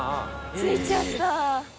着いちゃった。